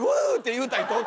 言うたね。